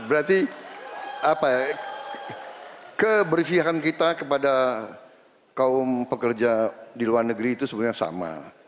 berarti keberpihakan kita kepada kaum pekerja di luar negeri itu sebenarnya sama